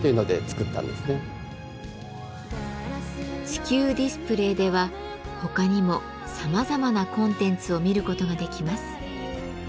地球ディスプレーでは他にもさまざまなコンテンツを見ることができます。